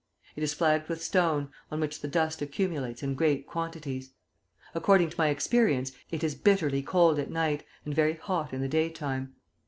It is flagged with stone, on which the dust accumulates in great quantities. According to my experience, it is bitterly cold at night, and very hot in the daytime.